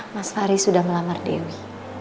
mas fahri sudah melamar dewi